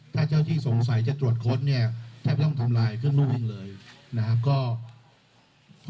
ถ้าเจ้าที่สงสัยจะตรวจค้นเนี่ยแทบไม่ต้องทำลายเครื่องลูกลิงเลยนะครับ